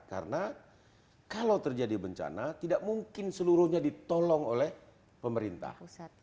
karena kalau terjadi bencana tidak mungkin seluruhnya ditolong oleh pemerintah